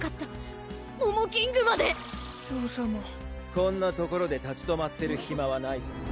こんなところで立ち止まってるヒマはないぞ。